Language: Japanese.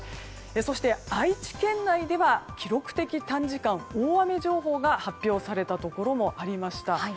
そして、愛知県内では記録的短時間大雨情報が発表されたところもありました。